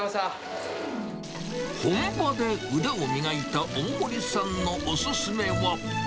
本場で腕を磨いた大森さんのお勧めは。